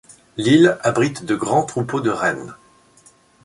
L'île abrite de grands troupeaux de rennes.